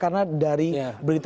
karena dari berita berita